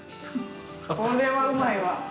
これはうまいわ。